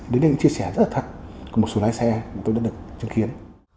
đến đây những chia sẻ rất là thật của một số lái xe mà tôi đã được chứng kiến